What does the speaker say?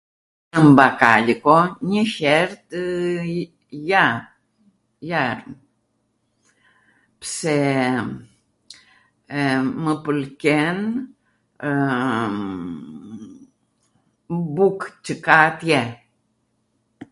w, mbakaliko njw her, ja, ja, pse mw pwlqen buk qw ka atje.